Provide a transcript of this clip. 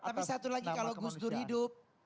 tapi satu lagi kalau gus dur hidup